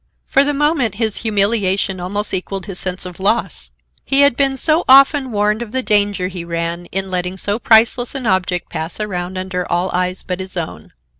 For the moment his humiliation almost equaled his sense of loss; he had been so often warned of the danger he ran in letting so priceless an object pass around under all eyes but his own.